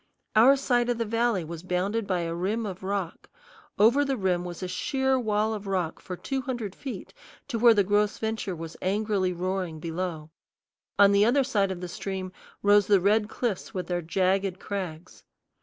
Our side of the valley was bounded by a rim of rock. Over the rim was a sheer wall of rock for two hundred feet, to where the Gros Ventre was angrily roaring below; on the other side of the stream rose the red cliffs with their jagged crags.